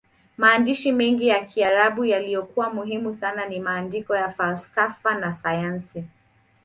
Maandishi mengine ya Kiarabu yaliyokuwa muhimu sana ni maandiko ya falsafa na sayansi.